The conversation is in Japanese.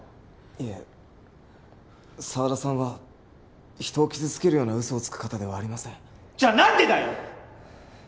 いえ沢田さんは人を傷つけるような嘘をつく方ではありませんじゃあ何でだよ！